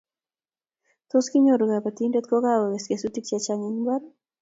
Tos inyoru kabatindet ko kakoges kesutik chechang eng mbar